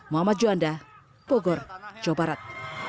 muhammad juanda bogor jawa barat